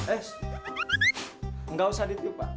eh nggak usah ditiup pak